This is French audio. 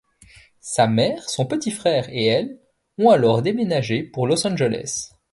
Sa mère, son petit frère et elle, ont alors déménagé pour Los Angeles.